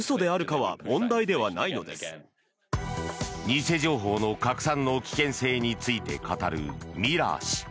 偽情報の拡散の危険性について語るミラー氏。